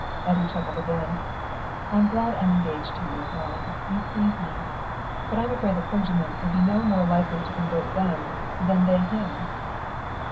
Eddy chuckled again. "I'm glad I'm engaged to you, Molly. You please me. But I'm afraid the clergyman would be no more likely to convert them than they him."